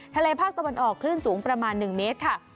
ภาคตะวันออกคลื่นสูงประมาณ๑เมตรค่ะ